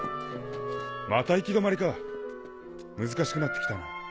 また行き止まりか難しくなって来たな。